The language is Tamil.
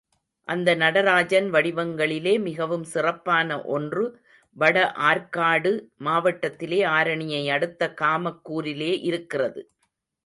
அந்த நடராஜன் வடிவங்களிலே மிகவும் சிறப்பான ஒன்று வடஆர்க்காடு மாவட்டத்திலே ஆரணியை அடுத்த காமக் கூரிலே இருக்கிறது.